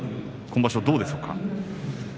今場所、どうでしょうか。